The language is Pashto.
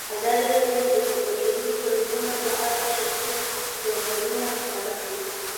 ازادي راډیو د سوداګریز تړونونه په اړه ښوونیز پروګرامونه خپاره کړي.